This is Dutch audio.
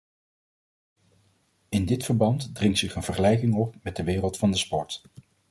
In dit verband dringt zich een vergelijking op met de wereld van de sport.